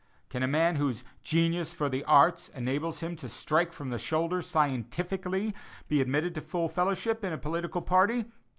Can a man whose "genius for the arts" enables him to strike from the shoulder scientifically, be admitted to full fellowship in a political party?